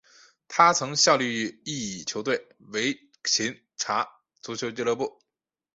他曾效力于意乙球队维琴察足球俱乐部。